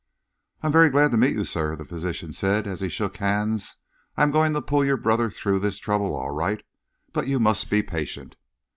"I am very glad to meet you, sir," the physician said, as he shook hands. "I am going to pull your brother through this trouble, all right, but you must be patient."